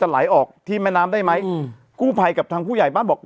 ไหลออกที่แม่น้ำได้ไหมอืมกู้ภัยกับทางผู้ใหญ่บ้านบอก